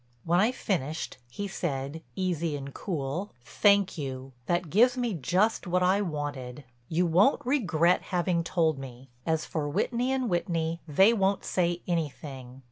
When I finished he said, easy and cool: "Thank you—that gives me just what I wanted. You won't regret having told me. As for Whitney & Whitney, they won't say anything.